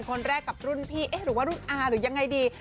คนแรกกับรุ่นพี่เอ๊ะหรือว่ารุ่นอาหรือยังไงดี